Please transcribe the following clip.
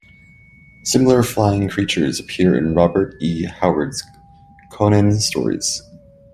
Similar flying creatures appear in Robert E. Howard's Conan stories.